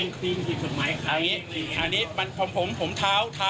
ในตลาดมีการก้นครีมผิวสมัยใคร